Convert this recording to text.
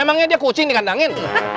emangnya dia kucing dikandangin